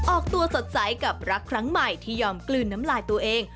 ออกตัวสดใสกับรักครั้งใหม่ที่ยอมกลืนน้ำลายตัวเอง